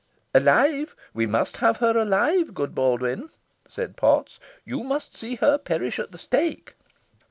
"Alive we must have her alive, good Baldwyn," said Potts. "You must see her perish at the stake."